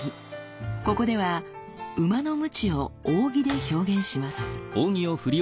ここでは馬のムチを扇で表現します。